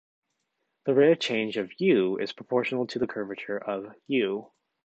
The rate of change of "u" is proportional to the "curvature" of "u".